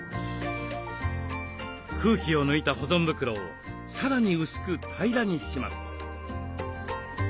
空気を抜いた保存袋をさらに薄く平らにします。